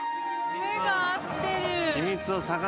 目が合ってる。